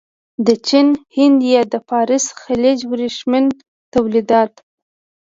د چین، هند یا د فارس خلیج ورېښمین تولیدات.